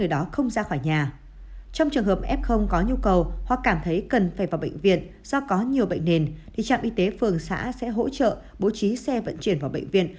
do có nhiều bệnh nền thì trạm y tế phường xã sẽ hỗ trợ bố trí xe vận chuyển vào bệnh viện